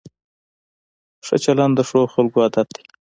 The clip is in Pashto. ښه چلند د ښو خلکو عادت وي.